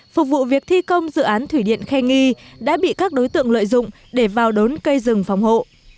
phục vụ việc thi công dự án thủy điện khe nghi đã bị các đối tượng lợi dụng để vào đốn cây rừng phòng hộ